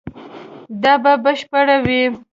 دا به بشپړ وي